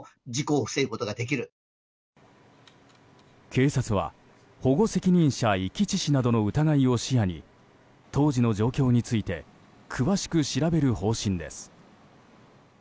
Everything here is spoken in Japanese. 警察は保護責任者遺棄致死などの疑いを視野に当時の状況について詳しく調べる方針です。